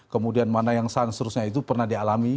kemudian mana yang percaya dia itu pernah dialami